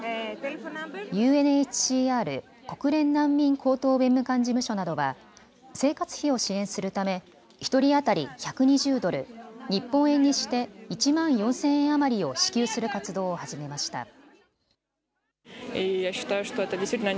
ＵＮＨＣＲ・国連難民高等弁務官事務所などは生活費を支援するため１人当たり１２０ドル、日本円にして１万４０００円余りを支給する活動を始めました。